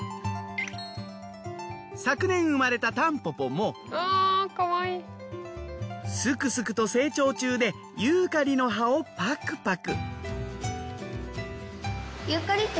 昨年生まれたたんぽぽもすくすくと成長中でユーカリの葉をパクパク。